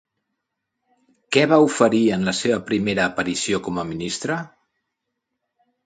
Què va oferir en la seva primera aparició com a ministre?